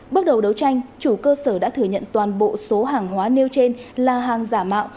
bước đầu đấu tranh chủ cơ sở đã thừa nhận toàn bộ số hàng hóa nêu trên là hàng giả mạo